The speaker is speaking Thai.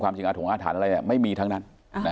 ความจริงอาถุงอาถารณ์อะไรเนี่ยไม่มีทั้งนั้น